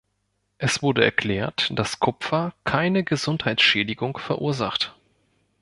Es wurde erklärt, dass Kupfer keine Gesundheitsschädigung verursacht.